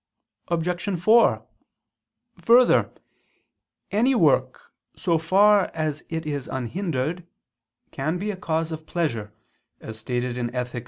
Obj. 4: Further, any work, so far as it is unhindered, can be a cause of pleasure, as stated in _Ethic.